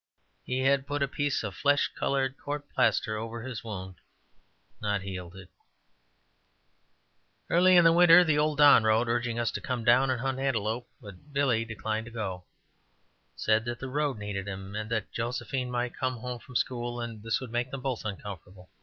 He had put a piece of flesh colored court plaster over his wound, not healed it. Early in the winter the old Don wrote, urging us to come down and hunt antelope, but Billy declined to go said that the road needed him, and that Josephine might come home from school and this would make them both uncomfortable.